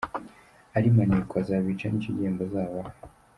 Ari maneko azabica nicyo gihembo azabaha.